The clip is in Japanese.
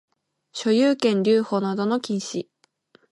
所有権留保等の禁止